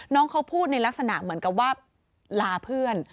น้องเขาพูดในลักษณะเหมือนกับว่าลาเพื่อน